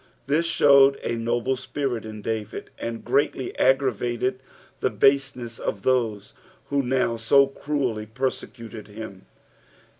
This showed a noble spirit iu David, and greatly aggravated the baseness of those who now so cruelly persecuted him.